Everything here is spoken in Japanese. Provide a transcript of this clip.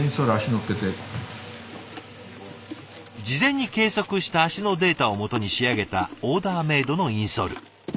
事前に計測した足のデータをもとに仕上げたオーダーメードのインソール。